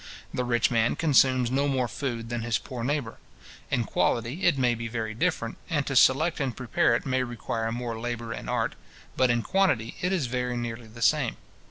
The rich man consumes no more food than his poor neighbour. In quality it may be very different, and to select and prepare it may require more labour and art; but in quantity it is very nearly the same.